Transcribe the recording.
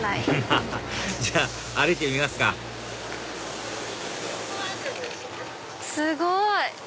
アハハハじゃあ歩いてみますかすごい！